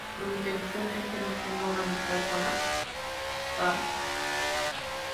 Su intención es que tenga una amistad con la Sra.